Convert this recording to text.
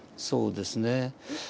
そうですね。